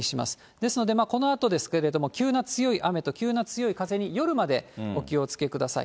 ですので、このあとですけれども、急な強い雨と急な強い風に、夜までお気をつけください。